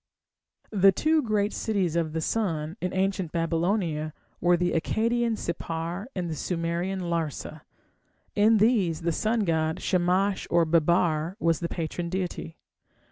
The two great cities of the sun in ancient Babylonia were the Akkadian Sippar and the Sumerian Larsa. In these the sun god, Shamash or Babbar, was the patron deity.